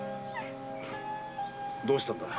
どうしたんだ。